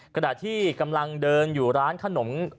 ขณะที่กำลังเดินอยู่ร้านขนม